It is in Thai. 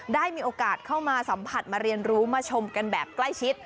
ได้มีโอกาสเข้ามาสัมผัสมาเรียนรู้มาชมกันแบบใกล้ชิด